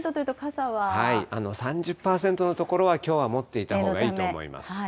３０％の所は、きょうは持っていたほうがいいと思います。